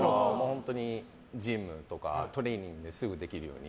ジムとかトレーニングとかすぐできるように。